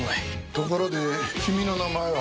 ところで君の名前は？